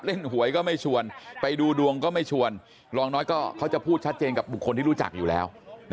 หวยก็ไม่ชวนไปดูดวงก็ไม่ชวนรองน้อยก็เขาจะพูดชัดเจนกับบุคคลที่รู้จักอยู่แล้ว